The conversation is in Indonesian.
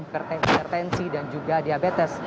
vertensi dan juga diabetes